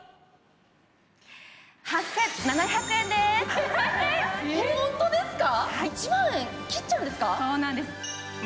えホントですか！？